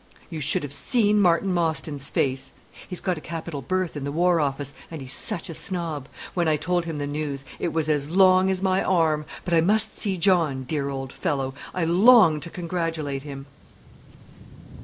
You should have seen Martin Mostyn's face he's got a capital berth in the War Office, and he's such a snob! when I told him the news: it was as long as my arm! But I must see John, dear old fellow! I long to congratulate him."